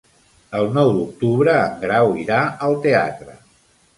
El nou d'octubre en Grau irà al teatre.